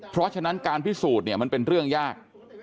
เพราะฉะนั้นการพิสูจน์เนี่ยมันเป็นเรื่องยาก